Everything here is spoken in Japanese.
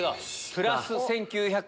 プラス１９００円。